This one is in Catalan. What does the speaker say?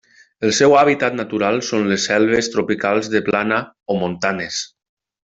El seu hàbitat natural són les selves tropicals de plana o montanes.